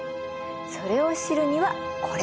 それを知るにはこれ。